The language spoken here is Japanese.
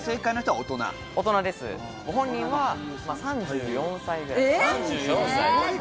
ご本人は３４歳ぐらい。